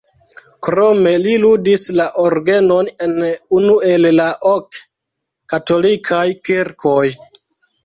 Krome li ludis la orgenon en unu el la ok katolikaj kirkoj.